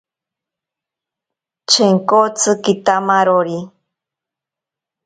Chenkotsi kitamarori.